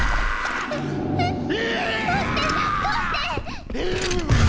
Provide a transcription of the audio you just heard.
どうしてどうして⁉ふうぅ！！